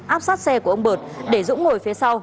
áp sát xe của ông bợt để dũng ngồi phía sau